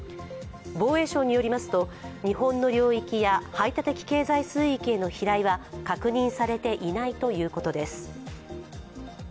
防衛省によりますと、日本の領域や排他的経済水域への飛来は確認されていないということです。